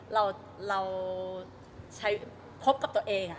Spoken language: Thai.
เราพบกับตัวเอง